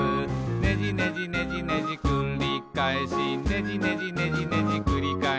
「ねじねじねじねじくりかえし」「ねじねじねじねじくりかえし」